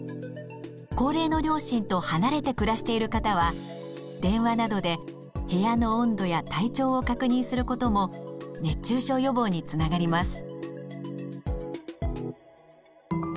高齢の両親と離れて暮らしている方は電話などで部屋の温度や体調を確認することも熱中症予防につながります。